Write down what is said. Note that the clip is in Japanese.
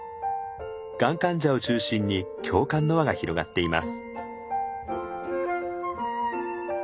がん患者を中心に共感の輪が広がっています。